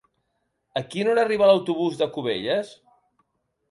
A quina hora arriba l'autobús de Cubelles?